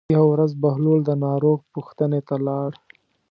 یوه ورځ بهلول د ناروغ پوښتنې ته لاړ.